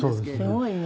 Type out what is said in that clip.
すごいね。